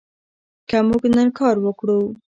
که موږ نن کار وکړو.